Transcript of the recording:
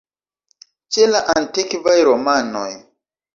Ĉe la antikvaj romanoj.